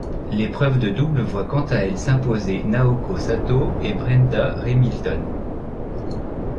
L'épreuve de double voit quant à elle s'imposer Naoko Sato et Brenda Remilton.